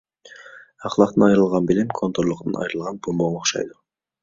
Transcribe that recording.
ئەخلاقتىن ئايرىلغان بىلىم، كونتروللۇقىدىن ئايرىلغان بومبىغا ئوخشايدۇ.